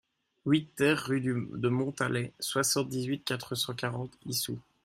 huit TER rue de Montalet, soixante-dix-huit, quatre cent quarante, Issou